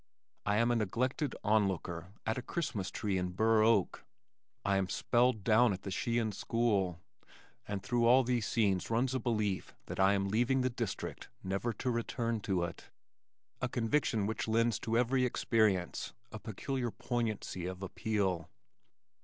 I am a neglected onlooker at a Christmas tree at Burr Oak. I am spelled down at the Shehan school and through all these scenes runs a belief that I am leaving the district never to return to it, a conviction which lends to every experience a peculiar poignancy of appeal.